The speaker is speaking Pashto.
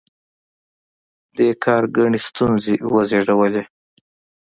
دې کار ګڼې ستونزې وزېږولې.